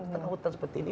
tengah hutan seperti ini